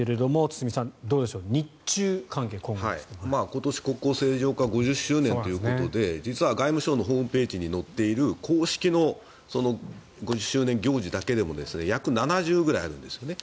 今年国交正常化５０周年ということで実は外務省のホームページに載っている、公式の５０周年行事だけでも約７０ぐらいあるんですね。